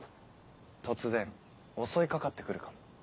突然襲い掛かって来るかも。